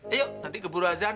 ayo nanti keburu azan